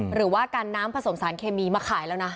หรือว่าการน้ำผสมสารเคมีมาขายแล้วนะ